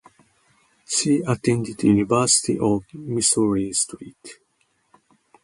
She attended University of Missouri–St.